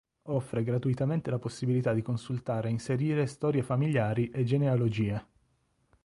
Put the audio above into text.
Offre gratuitamente la possibilità di consultare e inserire storie famigliari e genealogie.